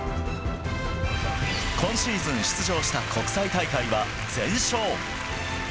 今シーズン出場した国際大会は全勝。